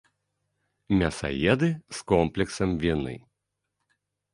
Мясаеды з комплексам віны.